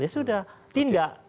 ya sudah tindak